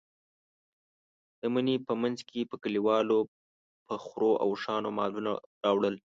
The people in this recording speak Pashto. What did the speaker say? د مني په منځ کې به کلیوالو په خرو او اوښانو مالونه راوړل.